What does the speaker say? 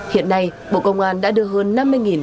hiện nay bộ công an đã đưa hơn năm mươi người